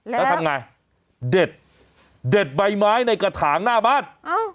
แล้วทำไงเด็ดเด็ดใบไม้ในกระถางหน้าบ้าน